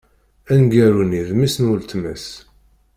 Aneggaru-nni d mmi-s n wletma-s.